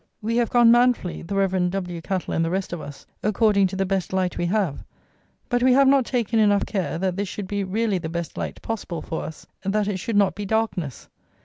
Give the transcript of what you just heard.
We have gone manfully, the Rev. W. Cattle and the rest of us, according to the best light we have; but we have not taken enough care that this should be really the best light possible for us, that it should not be darkness.